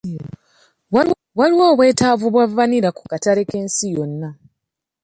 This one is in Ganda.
Waliwo obwetaavu bwa vanilla ku katale k'ensi yonna.